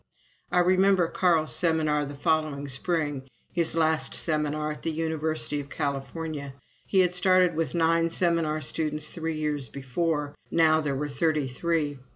I remember Carl's seminar the following spring his last seminar at the University of California. He had started with nine seminar students three years before; now there were thirty three.